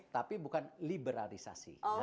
tapi bukan liberalisasi